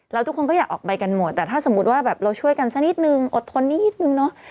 แล้วทุกคนก็อยากออกไปกันหมดแต่ถ้าสมมุติว่าแบบเราช่วยกันสักนิดนึงอดทนนิดนึงเนาะ